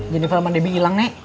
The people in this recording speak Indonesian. jennifer mandebi ilang nek